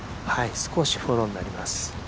少しフォローになります。